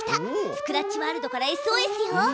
スクラッチワールドからＳＯＳよ。